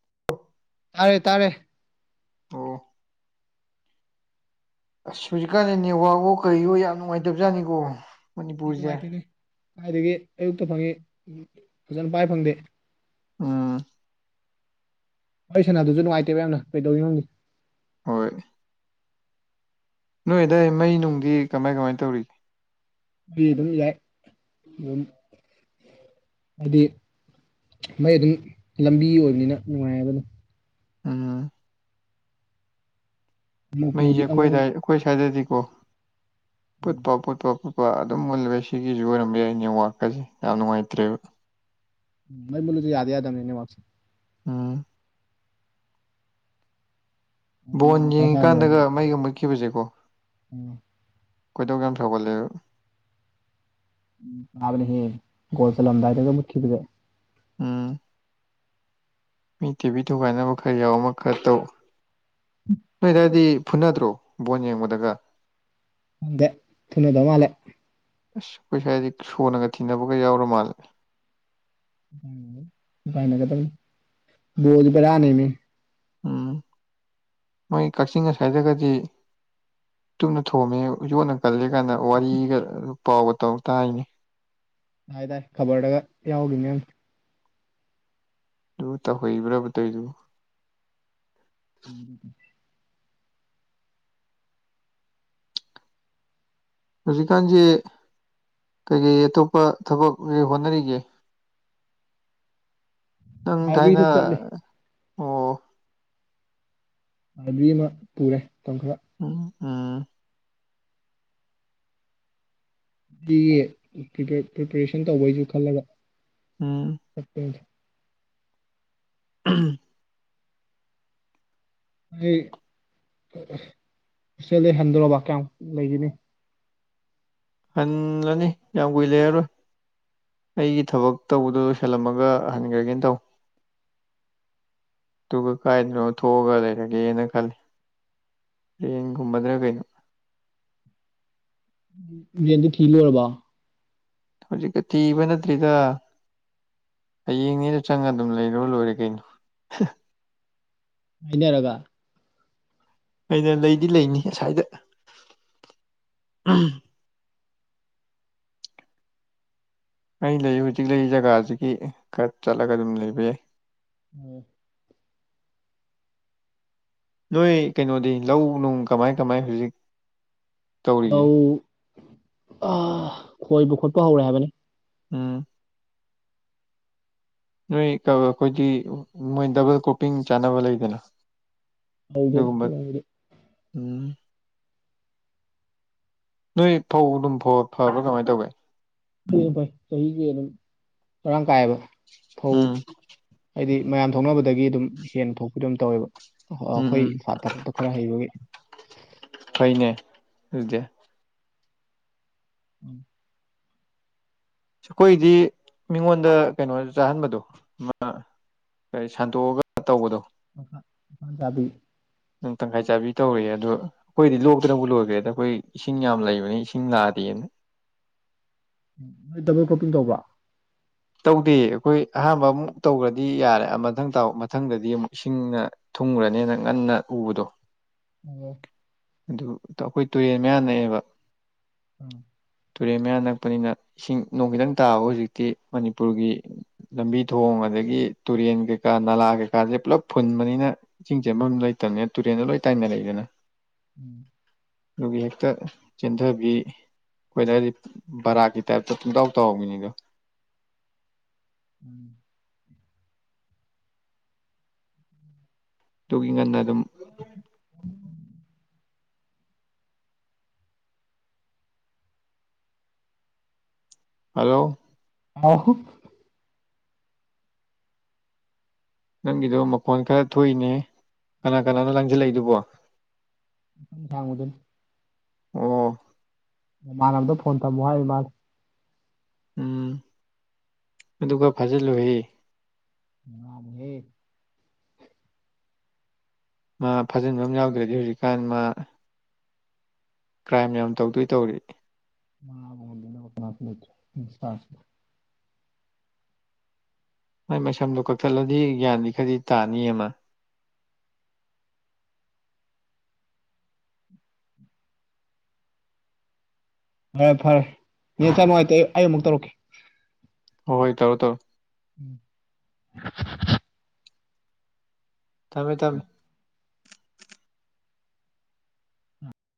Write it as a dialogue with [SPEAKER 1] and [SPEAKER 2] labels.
[SPEAKER 1] [unintelligible]
[SPEAKER 2] ꯇꯥꯔꯦ ꯇꯥꯔꯦ
[SPEAKER 1] ꯑꯣ ꯑꯁ ꯍꯨꯖꯤꯛꯀꯥꯟꯖꯦ ꯅꯦꯠꯋꯥꯛꯑꯣ ꯀꯩꯌꯣ ꯌꯥꯝ ꯅꯨꯡꯉꯥꯏꯇꯕꯖꯥꯠꯅꯤꯀꯣ
[SPEAKER 2] ꯅꯦꯠ
[SPEAKER 1] ꯃꯅꯤꯄꯨꯔꯁꯦ
[SPEAKER 2] ꯅꯨꯡꯉꯥꯏꯇꯦꯅꯦ ꯀꯥꯏꯗꯒꯤ ꯑꯌꯨꯛꯇ ꯐꯪꯉꯤ ꯐꯖꯅ ꯄꯥꯏ ꯐꯪꯗꯦ
[SPEAKER 1] ꯑꯥ
[SPEAKER 2] ꯑꯩ ꯁꯅꯥꯗꯨꯖꯨ ꯅꯨꯉꯥꯏꯇꯦꯕ ꯌꯥꯝꯅ ꯀꯩꯗꯧꯔꯤꯅꯣ ꯈꯪꯗꯦ
[SPEAKER 1] ꯍꯣꯏ ꯅꯣꯏ ꯑꯗꯥꯏ ꯃꯩ ꯅꯨꯡꯗꯤ ꯀꯃꯥꯏ ꯀꯃꯥꯏ ꯇꯧꯔꯤ
[SPEAKER 2] ꯃꯩ ꯑꯗꯨꯝ ꯌꯥꯏ ꯑꯗꯨꯝ ꯍꯥꯏꯗꯤ ꯃꯩ ꯑꯗꯨꯝ ꯂꯝꯕꯤ ꯑꯣꯏꯕꯅꯤꯅ ꯅꯨꯡꯉꯥꯏꯌꯦꯕ ꯑꯗꯨꯝ
[SPEAKER 1] ꯎꯝ ꯃꯩꯖꯦ
[SPEAKER 2] ꯃꯀꯨꯗꯤ ꯑꯃꯨꯛ
[SPEAKER 1] ꯑꯈꯣꯏꯗꯥꯏ ꯑꯈꯣꯏ ꯁ꯭ꯋꯥꯏꯗꯗꯤꯀꯣ ꯄꯨꯠꯄꯥ ꯄꯨꯠꯄꯥ ꯄꯨ ꯄ ꯑꯗꯨꯝ ꯃꯨꯜꯋꯦ ꯁꯤꯒꯤꯖꯨ ꯑꯣꯏꯔꯝꯕ ꯌꯥꯏ ꯅꯦꯋꯥꯛꯀꯖꯦ ꯌꯥꯝ ꯅꯨꯡꯉꯥꯏꯇ꯭ꯔꯦꯕ
[SPEAKER 2] ꯃꯩ ꯃꯨꯠꯂꯗꯤ ꯌꯥꯗꯤ ꯌꯥꯗꯝꯅꯦ ꯅꯦꯠꯋꯥꯛꯁꯦ
[SPEAKER 1] ꯑ
[SPEAKER 2] ꯑꯃꯨꯛ
[SPEAKER 1] ꯕꯣꯟ
[SPEAKER 2] ꯃꯊꯥ
[SPEAKER 1] ꯌꯦꯡꯉꯤꯀꯥꯟꯗꯒ ꯃꯩꯒ ꯃꯨꯠꯈꯤꯕꯖꯦꯀꯣ
[SPEAKER 2] ꯎꯝ
[SPEAKER 1] ꯈꯣꯏꯗꯧ ꯌꯥꯝ ꯁꯥꯎꯒꯠꯂꯦꯕ
[SPEAKER 2] ꯋꯥꯕꯅꯤꯍꯦ ꯒꯣꯜ ꯆꯜꯂꯝꯗꯥꯏꯗꯒ ꯃꯨꯠꯈꯤꯕꯖꯦ
[SPEAKER 1] ꯎꯝ ꯃꯤ ꯇꯤꯚꯤ ꯊꯨꯒꯥꯏꯅꯕ ꯈꯔ ꯌꯥꯎ ꯑꯃ ꯈꯔ ꯇꯧ ꯅꯣꯏꯗꯥꯏꯗꯤ ꯐꯨꯅꯗ꯭ꯔꯣ ꯕꯣꯟ ꯌꯦꯡꯕꯗꯒ
[SPEAKER 2] ꯈꯪꯗꯦ ꯐꯨꯅꯗ ꯃꯥꯟꯂꯦ
[SPEAKER 1] ꯑꯁ ꯑꯩꯈꯣꯏ ꯁ꯭ꯋꯥꯏꯗꯤ ꯁꯣꯅꯒ ꯊꯤꯟꯅꯕꯒ ꯌꯥꯎꯔ ꯃꯥꯜꯂꯦ
[SPEAKER 2] [unintelligible] ꯕ꯭ꯔꯣ ꯑꯗꯨ ꯕꯦꯔꯥꯅꯦꯃꯤ
[SPEAKER 1] ꯎꯝ ꯃꯣꯏ ꯀꯛꯆꯤꯡ ꯑꯁ꯭ꯋꯥꯏꯗꯒꯗꯤ ꯎꯇꯨꯞꯅ ꯊꯣꯝꯃꯦ ꯌꯣꯠꯅ ꯀꯜꯂꯦ ꯀꯥꯏꯅ ꯋꯥꯔꯤꯒ ꯄꯥꯎꯒ ꯇꯧ ꯇꯥꯏꯅꯦ
[SPEAKER 2] ꯇꯥꯏ ꯇꯥꯏ ꯈꯕꯔꯗꯒ ꯌꯥꯎꯒꯤꯕꯅꯤ ꯌꯥꯝ
[SPEAKER 1] ꯑꯗꯨꯕꯨ ꯇꯧꯍꯩꯕ꯭ꯔꯥꯕ ꯇꯧꯏꯗꯨꯕꯨ
[SPEAKER 2] [inaudible]
[SPEAKER 1] ꯍꯧꯖꯤꯛꯀꯥꯟꯁꯤ ꯀꯩꯀꯩ ꯑꯇꯣꯞꯄ ꯊꯕꯛ ꯀꯩ ꯀꯩ ꯍꯣꯠꯅꯔꯤꯒꯦ ꯅꯪ
[SPEAKER 2] ꯂꯥꯏꯕ꯭ꯔꯦꯔꯤꯗ
[SPEAKER 1] ꯊꯥꯏꯅ
[SPEAKER 2] ꯆꯠꯂꯤ
[SPEAKER 1] ꯑꯣ
[SPEAKER 2] [unintelligible] ꯑꯃ ꯄꯨꯔꯦ ꯃꯇꯝ ꯈꯔ
[SPEAKER 1] ꯎꯝ ꯎꯝ
[SPEAKER 2] [unintelligible] ꯄ꯭ꯔꯤꯄꯦꯔꯦꯁꯟ ꯇꯧꯕꯩꯁꯨ ꯈꯜꯂꯒ
[SPEAKER 1] ꯎꯝ
[SPEAKER 2] [unintelligible]
[SPEAKER 1] [inaudible]
[SPEAKER 2] ꯑꯩ ꯍꯣꯁꯇꯦꯜꯗꯩ ꯍꯟꯗꯣꯔꯣꯕ ꯀꯌꯥꯝ ꯂꯩꯒꯤꯅꯤ
[SPEAKER 1] ꯍꯜꯂꯅꯤ ꯌꯥꯝ ꯀꯨꯏ ꯂꯩꯔꯔꯣꯏ ꯑꯩꯒꯤ ꯊꯕꯛ ꯇꯧꯕꯗꯣ ꯂꯣꯏꯁꯜꯂꯝꯃꯒ ꯍꯟꯈ꯭ꯔꯒꯦꯅ ꯇꯧ ꯑꯗꯨꯒ ꯀꯥꯏꯗꯅꯣ ꯊꯣꯛꯑꯒ ꯂꯩꯔꯒꯦꯅ ꯈꯜꯂꯤ ꯔꯦꯟꯒꯨꯝꯕꯗꯔ ꯀꯩꯅꯣ
[SPEAKER 2] ꯔꯦꯟꯗꯤ ꯊꯤ ꯂꯣꯏꯔꯕꯣ
[SPEAKER 1] ꯍꯧꯖꯤꯛꯀ ꯊꯤꯕ ꯅꯠꯇ꯭ꯔꯤꯗ ꯍꯌꯦꯡꯅꯦꯗꯨ ꯆꯪꯉ ꯑꯗꯨꯝ ꯂꯩꯔꯨꯔ ꯂꯣꯏꯔꯦ ꯀꯩꯅꯣ
[SPEAKER 2] ꯍꯥꯏꯅꯔꯒ
[SPEAKER 1] ꯑꯩꯅ ꯂꯩꯗꯤ ꯂꯩꯅꯤ ꯑꯁꯥꯏꯗ ꯑꯩꯅ ꯂꯩ ꯍꯧꯖꯤꯛ ꯂꯩꯔꯤ ꯖꯒꯥꯁꯤꯒꯤ ꯈꯔ ꯆꯠꯂꯒ ꯑꯗꯨꯝ ꯂꯩꯕ ꯌꯥꯏ
[SPEAKER 2] [inaudible]
[SPEAKER 1] ꯅꯣꯏ ꯀꯩꯅꯣꯗꯤ ꯂꯧ ꯅꯨꯡ ꯀꯃꯥꯏ ꯀꯃꯥꯏ ꯍꯧꯖꯤꯛ ꯇꯧꯔꯤꯒꯦ
[SPEAKER 2] ꯂꯧ ꯑꯥ ꯈꯣꯏꯕ ꯈꯣꯠꯄ ꯍꯧꯔꯦ ꯍꯥꯏꯕꯅꯤ
[SPEAKER 1] ꯎꯝ ꯅꯣꯏ ꯀꯀꯥꯈꯣꯏꯗꯤ ꯃꯣꯏ ꯗꯕꯜ ꯀ꯭ꯔꯣꯄꯤꯡ ꯆꯥꯅꯕ ꯂꯩꯗꯅ
[SPEAKER 2] ꯍꯧꯗꯦꯗ
[SPEAKER 1] ꯑꯗꯨꯒꯨꯝꯕ
[SPEAKER 2] ꯍꯧꯕꯗꯤ
[SPEAKER 1] ꯎꯝ ꯅꯣꯏ ꯐꯧ ꯑꯗꯨꯝ ꯐ ꯐꯕ꯭ꯔꯥ ꯀꯃꯥꯏꯅ ꯇꯧꯒꯦ
[SPEAKER 2] ꯐꯩꯌꯦ ꯐꯩ ꯆꯍꯤꯒꯤ ꯑꯗꯨꯝ ꯃꯔꯥꯡ ꯀꯥꯏꯕ ꯐꯧ
[SPEAKER 1] ꯎꯝ
[SPEAKER 2] ꯍꯥꯏꯗꯤ ꯃꯌꯥꯝ ꯊꯣꯛꯅꯕꯗꯒꯤ ꯑꯗꯨꯝ ꯍꯦꯟꯅ ꯊꯣꯛꯄꯤꯗꯣ ꯑꯗꯨꯝ ꯇꯧꯋꯦꯕ ꯑꯥ
[SPEAKER 1] ꯎꯝ
[SPEAKER 2] ꯑꯩꯈꯣꯏ
[SPEAKER 1] ꯎꯝ
[SPEAKER 2] ꯐꯥꯊꯔꯗꯣ ꯈꯔ ꯍꯩꯕꯒꯤ
[SPEAKER 1] ꯐꯩꯅꯦ ꯑꯗꯨꯗꯤ
[SPEAKER 2] ꯎꯝ
[SPEAKER 1] ꯑꯩꯈꯣꯏꯗꯤ ꯃꯤꯉꯣꯟꯗ ꯀꯩꯅꯣ ꯆꯥꯍꯟꯕꯗꯣ ꯑꯃ ꯀꯔꯤ ꯁꯥꯟꯇꯣꯛꯑꯒ ꯇꯧꯕꯗꯣ
[SPEAKER 2] ꯂꯧꯁꯥꯟ ꯆꯥꯕꯤ
[SPEAKER 1] ꯅꯪ ꯇꯪꯈꯥꯏ ꯆꯥꯕꯤ ꯇꯧꯔꯦꯌꯦ ꯑꯗꯨ ꯑꯩꯈꯣꯏꯗꯤ ꯂꯣꯛꯇꯅꯕꯨ ꯂꯣꯏꯈ꯭ꯔꯦꯗ ꯑꯩꯈꯣꯏ ꯏꯁꯤꯡ ꯌꯥꯝ ꯂꯩꯕꯅꯤ ꯏꯁꯤꯡ ꯂꯥꯛꯑꯗꯤꯅ
[SPEAKER 2] ꯅꯣꯏ ꯗꯕꯜ ꯀ꯭ꯔꯣꯄꯤꯡ ꯇꯧꯕ꯭ꯔꯣ
[SPEAKER 1] ꯇꯧꯗꯦ ꯑꯩꯈꯣꯏ ꯑꯍꯥꯟꯕ ꯑꯃꯨꯛ ꯇꯧꯈ꯭ꯔꯗꯤ ꯌꯥꯔꯦ ꯑ ꯃꯊꯪ ꯇꯧ ꯃꯊꯪꯗꯗꯤ ꯑꯃꯨꯛ ꯏꯁꯤꯡꯅ ꯊꯨꯝꯒ꯭ꯔꯅꯦꯅ ꯉꯟꯅ ꯎꯕꯗꯣ
[SPEAKER 2] [unintelligible]
[SPEAKER 1] ꯑꯗꯨ ꯑꯩꯈꯣꯏ ꯇꯨꯔꯦꯟ ꯃꯌꯥ ꯅꯛꯑꯦꯕ
[SPEAKER 2] ꯎꯝ
[SPEAKER 1] ꯇꯨꯔꯦꯟ ꯃꯌꯥ ꯅꯛꯄꯅꯤꯅ ꯏꯁꯤꯡ ꯅꯣꯡ ꯈꯤꯇꯪ ꯇꯥꯕ ꯍꯧꯖꯤꯛꯇꯤ ꯃꯅꯤꯄꯨꯔꯒꯤ ꯂꯝꯕꯤ ꯊꯣꯡ ꯑꯗꯒꯤ ꯇꯨꯔꯦꯟ ꯀꯩꯀꯥ ꯅꯥꯂꯥ ꯀꯩꯀꯥꯁꯦ ꯄꯨꯜꯂꯞ ꯐꯨꯟꯕꯅꯤꯅ ꯏꯁꯤꯡ ꯆꯦꯐꯝꯗꯣ ꯂꯩꯇꯕꯅꯤꯅ ꯇꯨꯔꯦꯟꯗ ꯂꯣꯏ ꯇꯥꯏꯅꯔꯛꯏꯗꯅ
[SPEAKER 2] ꯎꯝ
[SPEAKER 1] ꯑꯗꯨꯒꯤ ꯍꯦꯛꯇ ꯆꯦꯟꯊꯕꯤ ꯑꯩꯈꯣꯏꯗ ꯑꯗꯥꯏꯗꯤ ꯕꯔꯥꯛꯀꯤ ꯇꯥꯏꯞꯇ ꯄꯨꯡꯇꯥꯎ ꯇꯧꯕꯤꯅꯤꯗꯣ
[SPEAKER 2] ꯎꯝ
[SPEAKER 1] ꯑꯗꯨꯒꯤ ꯉꯟꯅ ꯑꯗꯨꯝ
[SPEAKER 2] [unintelligible]
[SPEAKER 1] ꯍꯂꯣ
[SPEAKER 2] ꯑꯍꯨ
[SPEAKER 1] ꯅꯪꯒꯤꯗꯣ ꯃꯈꯣꯟ ꯈꯔ ꯊꯣꯛꯏꯅꯦ ꯀꯅꯥ ꯀꯅꯥꯅꯣ ꯂꯪꯖꯜꯂꯛꯏꯗꯨꯕꯣ
[SPEAKER 2] ꯊꯥꯡꯃꯗ
[SPEAKER 1] ꯑꯣ
[SPEAKER 2] ꯃꯥꯃꯥꯟꯅꯕꯗꯣ ꯐꯣꯟ ꯇꯝꯃꯣ ꯍꯥꯏ ꯃꯥꯟ
[SPEAKER 1] ꯑꯗꯨ ꯈꯔ ꯐꯖꯜꯂꯨꯍꯦ
[SPEAKER 2] [unintelligible] ꯍꯦ
[SPEAKER 1] ꯃꯥ ꯐꯥꯖꯟꯕ ꯑꯃ ꯌꯥꯎꯗ꯭ꯔꯗꯤ ꯍꯧꯖꯤꯛꯀꯥꯟ ꯃꯥ ꯀ꯭ꯔꯥꯏꯝ ꯌꯥꯝ ꯇꯧꯗꯣꯏ ꯇꯧꯔꯤ
[SPEAKER 2] ꯃꯥꯕꯨ [inaudible]
[SPEAKER 1] ꯃꯥꯏ ꯃꯁꯝꯗꯣ ꯀꯛꯊꯠꯂꯗꯤ ꯒ꯭ꯌꯥꯟꯗꯤ ꯈꯔꯗꯤ ꯇꯥꯅꯤꯍꯦ ꯃ
[SPEAKER 2] ꯐꯔꯦ ꯐꯔꯦ ꯅꯦꯠꯁꯦ ꯌꯥꯝ ꯅꯨꯡꯉꯥꯏꯇꯦ ꯑꯩ ꯑꯃꯨꯛ ꯇꯧꯔꯛꯀꯦ
[SPEAKER 1] ꯍꯣꯏ ꯍꯣꯏ ꯇꯧꯔꯣ ꯇꯧ
[SPEAKER 2] ꯎꯝ
[SPEAKER 1] ꯊꯝꯃꯦ ꯇꯝꯃꯦ